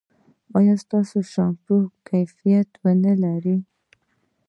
ایا ستاسو شامپو به کیفیت و نه لري؟